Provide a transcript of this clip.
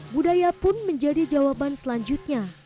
budaya pun menjadi jawaban selanjutnya